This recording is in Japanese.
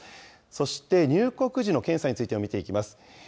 そして入国時の検査についても見ていきます。